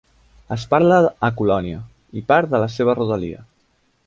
Es parla a Colònia i part de la seva rodalia.